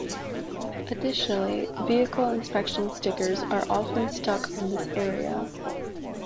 Additionally, vehicle inspection stickers are often stuck on this area.